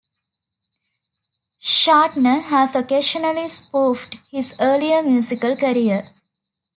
Shatner has occasionally spoofed his earlier musical career.